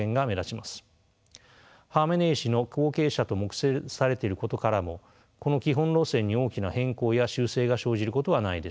ハーメネイ師の後継者と目されていることからもこの基本路線に大きな変更や修正が生じることはないでしょう。